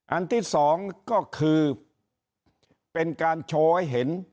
อันที่สองก็คือเป็นการโชว์ให้เห็น